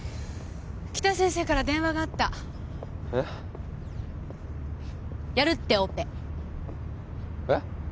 北先生から電話があったやるってオペえッ？